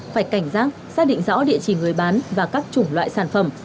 phải cảnh giác xác định rõ địa chỉ người bán và các chủng loại sản phẩm